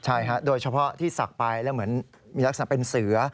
ใช่ฮะโดยเฉพาะที่ศักดิ์ไปแล้วเหมือนมีลักษณะเป็นเสือ